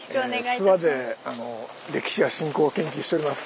諏訪で歴史や信仰を研究しております